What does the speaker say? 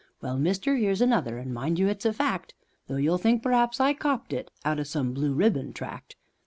Well, mister, 'ere's another; and, mind you, it's a fact, Though you'll think perhaps I copped it out o' some blue ribbon tract.